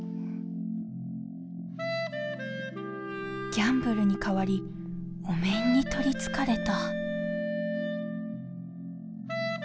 ギャンブルに代わりお面に取りつかれた。